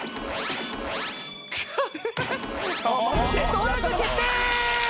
登録決定！